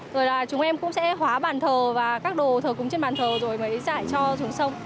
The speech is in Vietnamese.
rồi là chúng em cũng sẽ hóa bàn thờ và các đồ thờ cúng trên bàn thờ rồi mới giải cho xuống sông